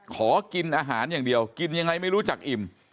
ขอกินอาหารอย่างเดียวกินยังไงไม่รู้จักอิ่ม